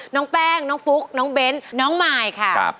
น้องแป้งน้องฟุ๊กน้องเบ้นน้องไมค์นะครับ